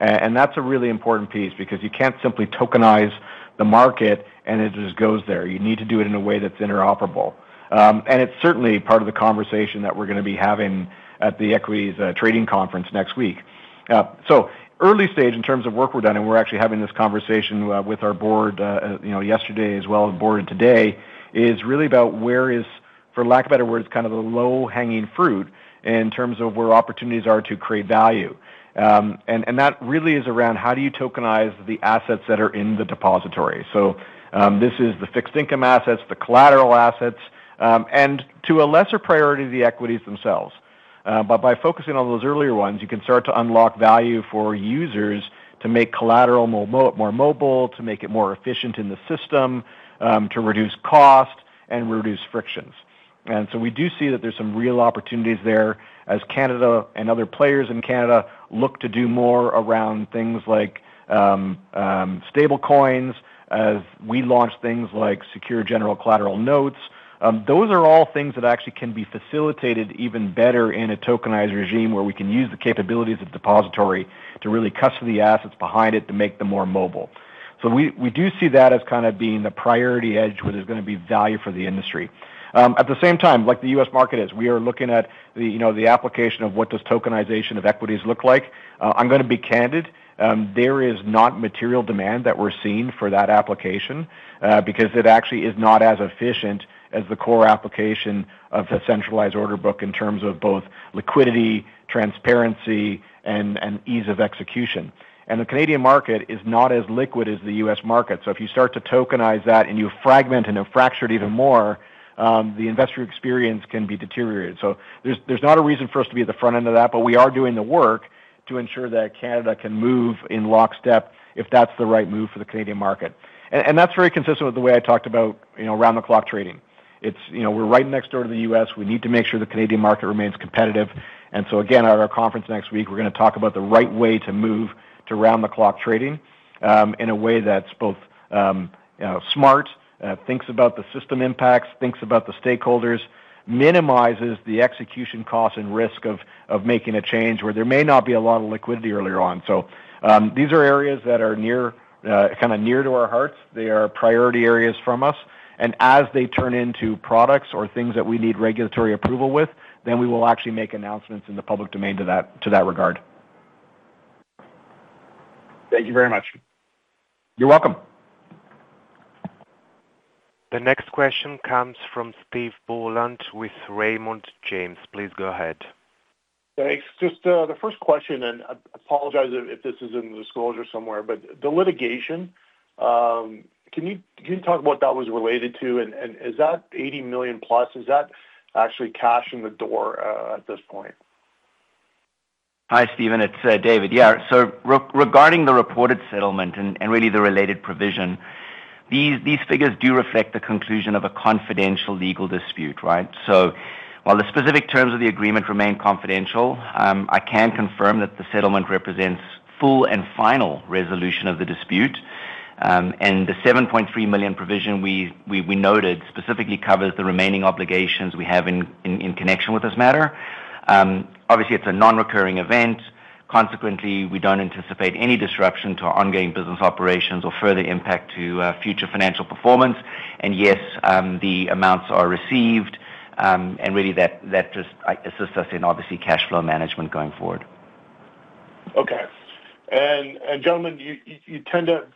That's a really important piece because you can't simply tokenize the market, and it just goes there. You need to do it in a way that's interoperable. It's certainly part of the conversation that we're gonna be having at the Equities Trading Conference next week. Early stage in terms of work we're done, and we're actually having this conversation with our Board, you know, yesterday as well as the Board today, is really about where is, for lack of better words, kind of the low-hanging fruit in terms of where opportunities are to create value. That really is around how do you tokenize the assets that are in the depository. This is the fixed income assets, the collateral assets, and to a lesser priority, the equities themselves. By focusing on those earlier ones, you can start to unlock value for users to make collateral more mobile, to make it more efficient in the system, to reduce cost and reduce frictions. We do see that there's some real opportunities there as Canada and other players in Canada look to do more around things like stablecoins, as we launch things like secure general collateral notes. Those are all things that actually can be facilitated even better in a tokenized regime where we can use the capabilities of depository to really custody assets behind it to make them more mobile. We do see that as kind of being the priority edge where there's gonna be value for the industry. At the same time, like the U.S. market, we are looking at the, you know, the application of what does tokenization of equities look like. I'm gonna be candid. There is not material demand that we're seeing for that application because it actually is not as efficient as the core application of the centralized order book in terms of both liquidity, transparency, and ease of execution. The Canadian market is not as liquid as the U.S. market. If you start to tokenize that and you fragment and have fractured even more, the investor experience can be deteriorated. There's not a reason for us to be at the front end of that, but we are doing the work to ensure that Canada can move in lockstep if that's the right move for the Canadian market. That's very consistent with the way I talked about, you know, round-the-clock trading. You know, we're right next door to the U.S. We need to make sure the Canadian market remains competitive. Again, at our conference next week, we're gonna talk about the right way to move to round-the-clock trading, in a way that's both smart, thinks about the system impacts, thinks about the stakeholders, minimizes the execution cost and risk of making a change where there may not be a lot of liquidity earlier on. These are areas that are near, kinda near to our hearts. They are priority areas from us. As they turn into products or things that we need regulatory approval with, then we will actually make announcements in the public domain to that regard. Thank you very much. You're welcome. The next question comes from Steve Boland with Raymond James. Please go ahead. Thanks. Just, the first question, and I apologize if this is in disclosure somewhere, but the litigation, can you talk what that was related to? Is that +80 million, is that actually cash in the door at this point? Hi, Stephen. It's David. Yeah. So, regarding the reported settlement and really the related provision, these figures do reflect the conclusion of a confidential legal dispute, right? While the specific terms of the agreement remain confidential, I can confirm that the settlement represents full and final resolution of the dispute. The 7.3 million provision we noted specifically covers the remaining obligations we have in connection with this matter. Obviously, it's a non-recurring event. Consequently, we don't anticipate any disruption to our ongoing business operations or further impact to future financial performance. Yes, the amounts are received, and really that just assists us in obviously cash flow management going forward. Okay. Gentlemen, you tend to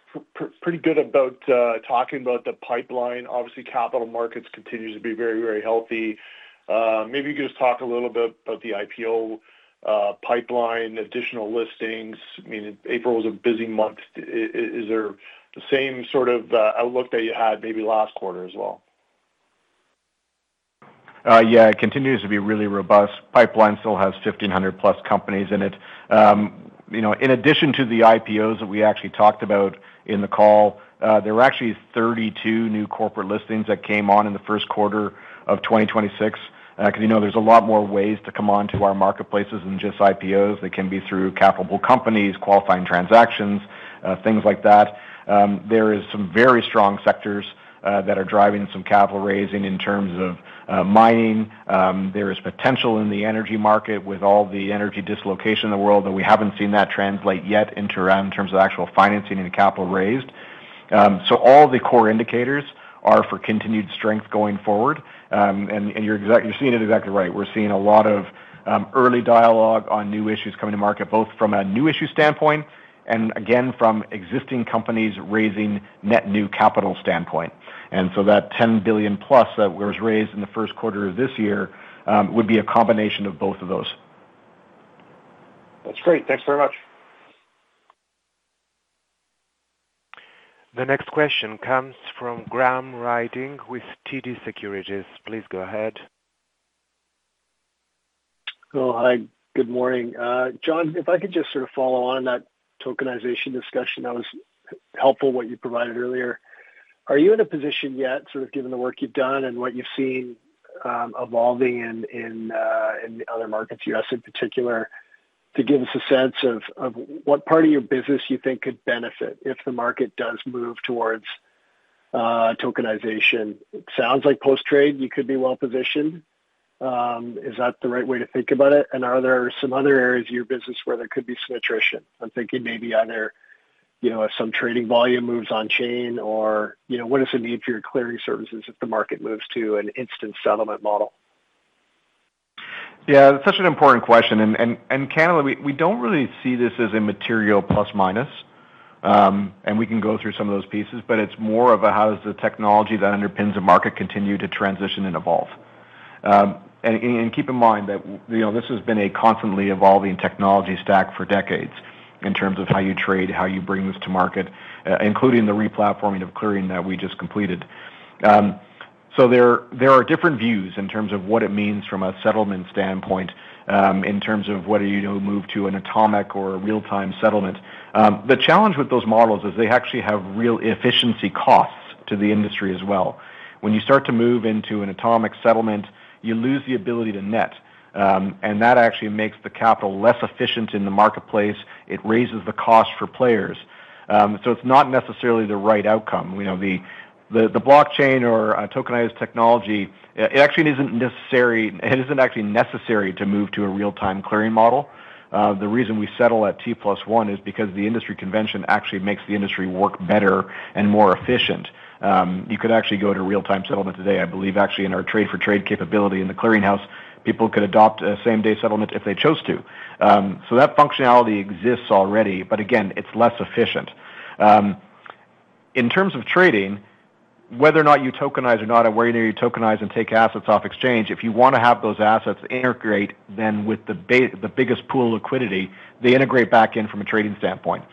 pretty good about talking about the pipeline. Obviously, capital markets continues to be very healthy. Maybe you could just talk a little bit about the IPO pipeline, additional listings. I mean, April was a busy month. Is there the same sort of outlook that you had maybe last quarter as well? Yeah, it continues to be really robust. Pipeline still has 1,500+ companies in it. You know, in addition to the IPOs that we actually talked about in the call, there were actually 32 new corporate listings that came on in the first quarter of 2026. 'Cause you know there's a lot more ways to come onto our marketplaces than just IPOs. They can be through capital companies, qualifying transactions, things like that. There is some very strong sectors that are driving some capital raising in terms of mining. There is potential in the energy market with all the energy dislocation in the world, and we haven't seen that translate yet into around in terms of actual financing and capital raised. All the core indicators are for continued strength going forward. You're seeing it exactly right. We're seeing a lot of early dialogue on new issues coming to market, both from a new issue standpoint and again from existing companies raising net new capital standpoint. That +10 billion that was raised in the first quarter of this year would be a combination of both of those. That's great. Thanks very much. The next question comes from Graham Ryding with TD Securities. Please go ahead. Oh, hi. Good morning. John, if I could just sort of follow on that tokenization discussion. That was helpful, what you provided earlier. Are you in a position yet, sort of given the work you've done and what you've seen, evolving in the other markets, U.S. in particular, to give us a sense of what part of your business you think could benefit if the market does move towards tokenization? It sounds like post-trade, you could be well-positioned. Is that the right way to think about it? Are there some other areas of your business where there could be some attrition? I'm thinking maybe either, you know, if some trading volume moves on chain or, you know, what does it mean for your clearing services if the market moves to an instant settlement model? Yeah. That's such an important question. And Canada, we don't really see this as a material plus/minus. We can go through some of those pieces, but it's more of a how does the technology that underpins the market continue to transition and evolve. Keep in mind that, you know, this has been a constantly evolving technology stack for decades in terms of how you trade, how you bring this to market, including the re-platforming of clearing that we just completed. There are different views in terms of what it means from a settlement standpoint, in terms of whether you move to an atomic or a real-time settlement. The challenge with those models is they actually have real efficiency costs to the industry as well. When you start to move into an atomic settlement, you lose the ability to net, that actually makes the capital less efficient in the marketplace. It raises the cost for players. It's not necessarily the right outcome. You know, the blockchain or tokenized technology, it isn't actually necessary to move to a real-time clearing model. The reason we settle at T+1 is because the industry convention actually makes the industry work better and more efficient. You could actually go to real-time settlement today. I believe actually in our trade for trade capability in the clearinghouse, people could adopt a same-day settlement if they chose to. That functionality exists already, but again, it's less efficient. In terms of trading, whether or not you tokenize or not, and whether you tokenize and take assets off exchange, if you wanna have those assets integrate then with the biggest pool of liquidity, they integrate back in from a trading standpoint.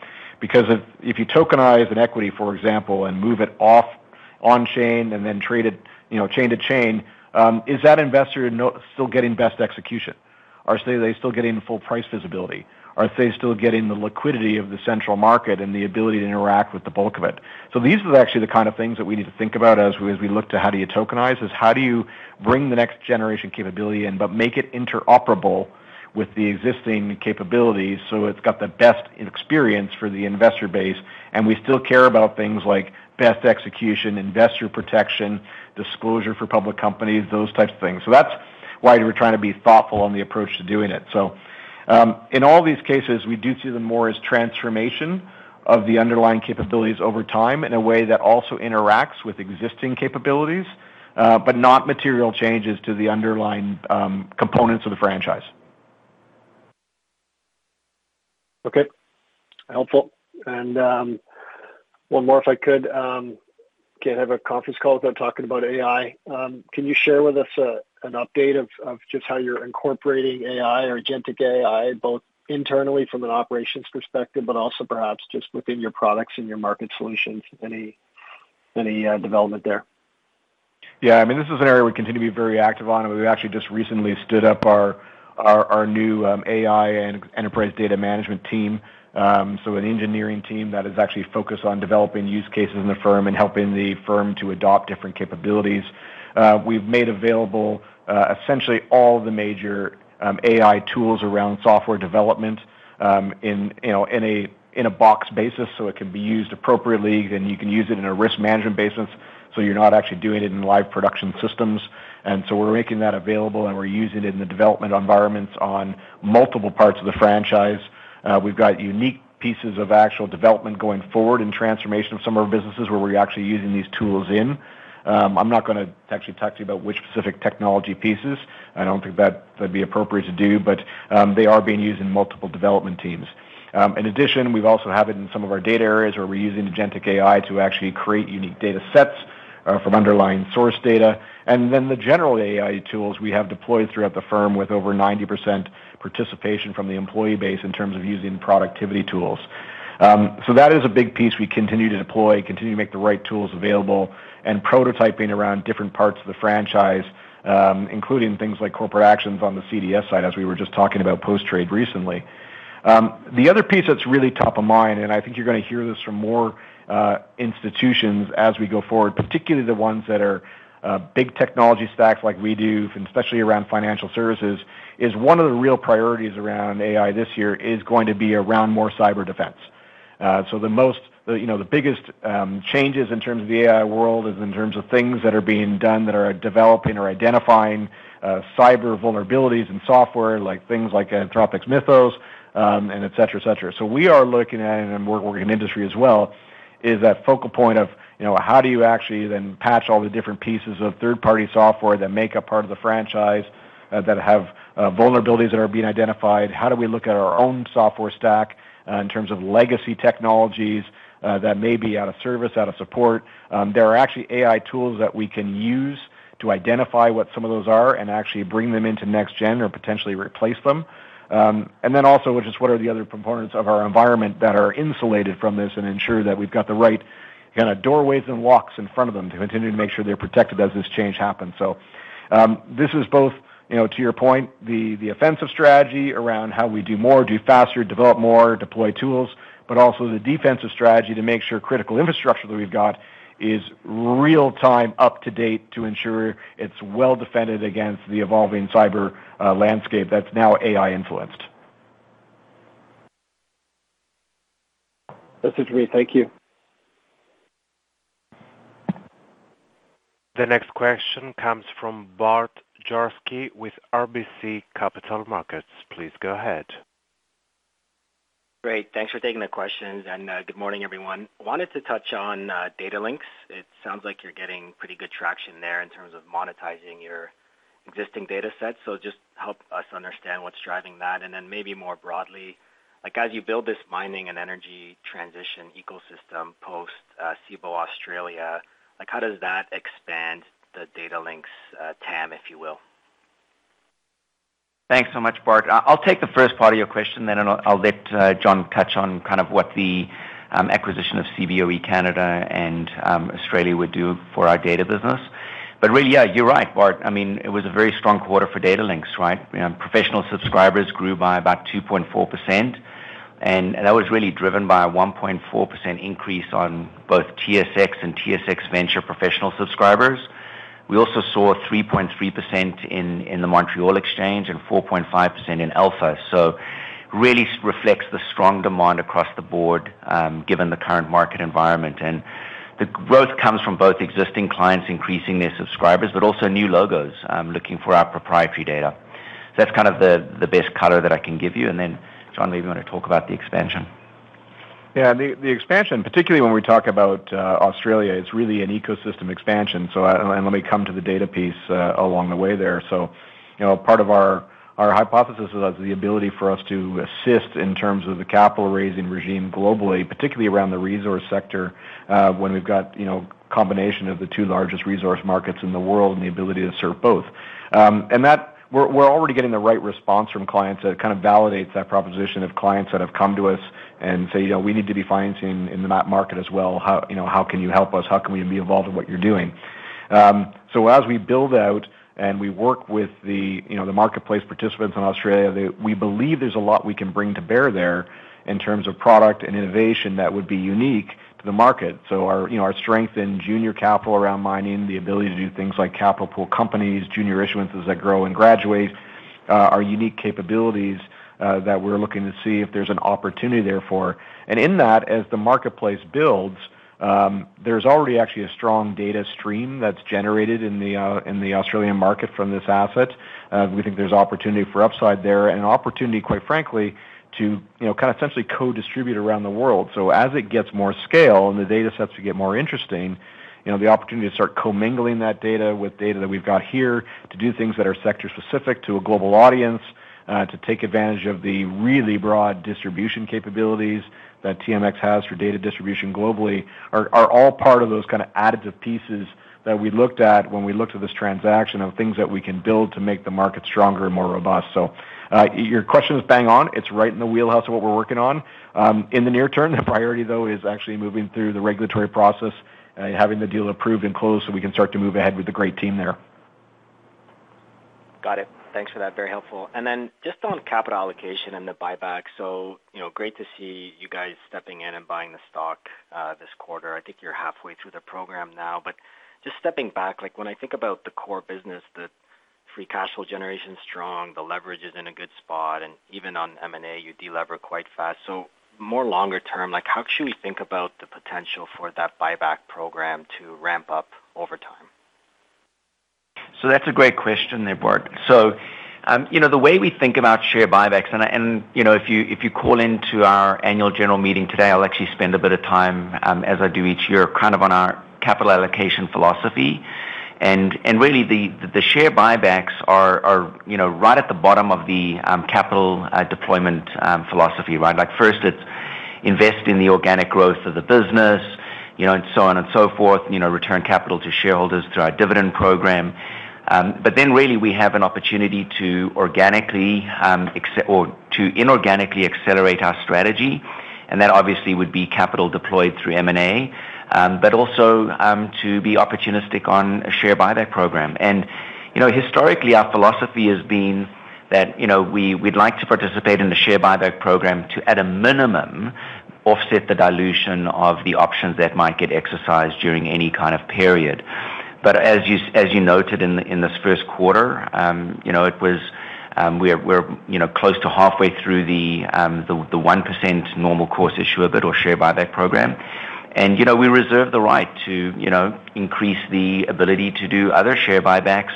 If you tokenize an equity, for example, and move it off on-chain and then trade it, you know, chain to chain, is that investor still getting best execution? Are they still getting full price visibility? Are they still getting the liquidity of the central market and the ability to interact with the bulk of it? These are actually the kind of things that we need to think about as we look to how do you tokenize, is how do you bring the next generation capability in, but make it interoperable with the existing capabilities so it's got the best experience for the investor base, and we still care about things like best execution, investor protection, disclosure for public companies, those types of things. That's why we're trying to be thoughtful on the approach to doing it. In all these cases, we do see them more as transformation of the underlying capabilities over time in a way that also interacts with existing capabilities, but not material changes to the underlying components of the franchise. Okay. Helpful. One more, if I could. Can't have a conference call without talking about AI. Can you share with us an update of just how you're incorporating AI or agentic AI, both internally from an operations perspective, but also perhaps just within your products and your market solutions? Any, any development there? I mean, this is an area we continue to be very active on, and we've actually just recently stood up our new AI and enterprise data management team. So, an engineering team that is actually focused on developing use cases in the firm and helping the firm to adopt different capabilities. We've made available essentially all the major AI tools around software development in, you know, in a box basis, so it can be used appropriately, and you can use it in a risk management basis, so you're not actually doing it in live production systems. We're making that available, and we're using it in the development environments on multiple parts of the franchise. We've got unique pieces of actual development going forward and transformation of some of our businesses where we're actually using these tools in. I'm not gonna actually talk to you about which specific technology pieces. I don't think that that'd be appropriate to do. They are being used in multiple development teams. In addition, we've also have it in some of our data areas where we're using the agentic AI to actually create unique data sets from underlying source data. The general AI tools we have deployed throughout the firm with over 90% participation from the employee base in terms of using productivity tools. That is a big piece we continue to deploy, continue to make the right tools available, and prototyping around different parts of the franchise, including things like corporate actions on the CDS side, as we were just talking about Post-Trade recently. The other piece that's really top of mind, and I think you're gonna hear this from more institutions as we go forward, particularly the ones that are big technology stacks like we do, especially around financial services, is one of the real priorities around AI this year is going to be around more cyber defense. The biggest, you know, changes in terms of the AI world is in terms of things that are being done that are developing or identifying cyber vulnerabilities in software, like things like Anthropic's Mythos, and et cetera, et cetera. We are looking at it, and we're working in industry as well, is that focal point of, you know, how do you actually then patch all the different pieces of third-party software that make up part of the franchise, that have vulnerabilities that are being identified? How do we look at our own software stack, in terms of legacy technologies, that may be out of service, out of support? There are actually AI tools that we can use to identify what some of those are and actually bring them into next gen or potentially replace them. Which is what are the other components of our environment that are insulated from this and ensure that we've got the right kind of doorways and walks in front of them to continue to make sure they're protected as this change happens. This is both, you know, to your point, the offensive strategy around how we do more, do faster, develop more, deploy tools, but also the defensive strategy to make sure critical infrastructure that we've got is real-time up to date to ensure it's well-defended against the evolving cyber landscape that's now AI-influenced. That's agreed. Thank you. The next question comes from Bart Dziarski with RBC Capital Markets. Please go ahead. Great. Thanks for taking the questions, good morning, everyone. Wanted to touch on Datalinx. It sounds like you're getting pretty good traction there in terms of monetizing your existing data sets. Just help us understand what's driving that, and then maybe more broadly, like, as you build this mining and energy transition ecosystem post Cboe Australia, like, how does that expand the Datalinx's TAM, if you will? Thanks so much, Bart. I'll take the first part of your question then. I'll let John touch on kind of what the acquisition of Cboe Canada and Australia would do for our data business. Really, yeah, you're right, Bart. I mean, it was a very strong quarter for Datalinx, right? Professional subscribers grew by about 2.4%. That was really driven by a 1.4% increase on both TSX and TSX Venture professional subscribers. We also saw 3.3% in the Montréal Exchange and 4.5% in Alpha. So, really reflects the strong demand across the board given the current market environment. The growth comes from both existing clients increasing their subscribers, but also new logos looking for our proprietary data. That's kind of the best color that I can give you. John, maybe you wanna talk about the expansion. The expansion, particularly when we talk about Australia, it's really an ecosystem expansion. And let me come to the data piece along the way there. You know, part of our hypothesis is that the ability for us to assist in terms of the capital raising regime globally, particularly around the resource sector, when we've got, you know, combination of the two largest resource markets in the world and the ability to serve both. We're already getting the right response from clients that kind of validates that proposition of clients that have come to us and say, "You know, we need to be financing in that market as well. You know, how can you help us? How can we be involved in what you're doing?" As we build out and we work with the, you know, the marketplace participants in Australia, we believe there's a lot we can bring to bear there in terms of product and innovation that would be unique to the market. Our, you know, our strength in junior capital around mining, the ability to do things like capital company, junior issuances that grow and graduate, are unique capabilities that we're looking to see if there's an opportunity there for. In that, as the marketplace builds, there's already actually a strong data stream that's generated in the Australian market from this asset. We think there's opportunity for upside there and opportunity, quite frankly, to, you know, kind of essentially co-distribute around the world. So, as it gets more scale and the data sets get more interesting, you know, the opportunity to start commingling that data with data that we've got here to do things that are sector-specific to a global audience, to take advantage of the really broad distribution capabilities that TMX has for data distribution globally are all part of those kind of additive pieces that we looked at when we looked at this transaction of things that we can build to make the market stronger and more robust. Your question is bang on. It's right in the wheelhouse of what we're working on. In the near term, the priority though is actually moving through the regulatory process, having the deal approved and closed so we can start to move ahead with the great team there. Got it. Thanks for that. Very helpful. Just on capital allocation and the buyback. You know, great to see you guys stepping in and buying the stock this quarter. I think you're halfway through the program now. Just stepping back, like, when I think about the core business, the free cash flow generation's strong, the leverage is in a good spot, and even on M&A, you delever quite fast. More longer term, like, how should we think about the potential for that buyback program to ramp up over time? That's a great question there, Bart. The way we think about share buybacks, and, you know, if you, if you call into our annual general meeting today, I'll actually spend a bit of time, as I do each year, kind of on our capital allocation philosophy. And really the share buybacks are, you know, right at the bottom of the capital deployment philosophy, right? First it's invest in the organic growth of the business, you know, and so on and so forth. Return capital to shareholders through our dividend program. Then really we have an opportunity to organically, or to inorganically accelerate our strategy, and that obviously would be capital deployed through M&A, but also to be opportunistic on a share buyback program. You know, historically, our philosophy has been that, you know, we'd like to participate in a share buyback program to, at a minimum, offset the dilution of the options that might get exercised during any kind of period. As you noted in this first quarter, you know, we're, you know, close to halfway through the 1% Normal Course Issuer Bid or share buyback program. You know, we reserve the right to, you know, increase the ability to do other share buybacks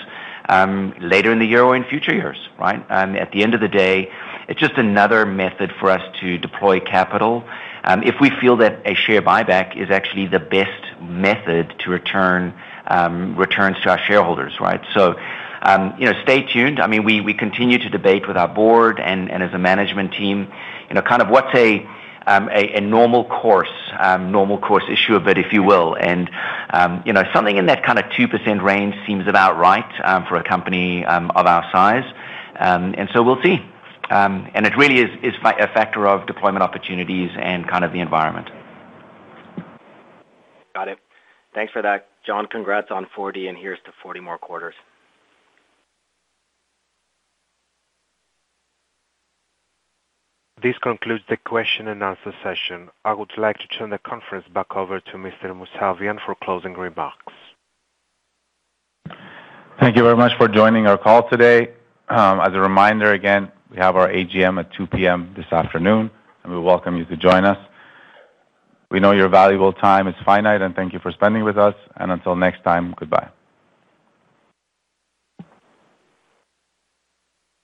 later in the year or in future years, right? At the end of the day, it's just another method for us to deploy capital if we feel that a share buyback is actually the best method to return returns to our shareholders, right? You know, stay tuned. I mean, we continue to debate with our board and as a management team, you know, kind of what's a normal course, normal course issuer bid, if you will. You know, something in that kind of 2% range seems about right for a company of our size. We'll see. It really is a factor of deployment opportunities and kind of the environment. Got it. Thanks for that. John, congrats on 40, and here's to 40 more quarters. This concludes the question-and-answer session. I would like to turn the conference back over to Mr. Mousavian for closing remarks. Thank you very much for joining our call today. As a reminder again, we have our AGM at 2:00 P.M. this afternoon. We welcome you to join us. We know your valuable time is finite, and thank you for spending with us. Until next time, goodbye.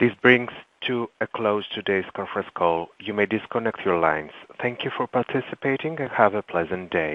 This brings to a close today's conference call. You may disconnect your lines. Thank you for participating and have a pleasant day.